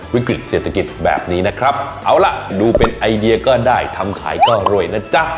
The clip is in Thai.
วิกฤตเศรษฐกิจแบบนี้นะครับเอาล่ะดูเป็นไอเดียก็ได้ทำขายก็รวยนะจ๊ะ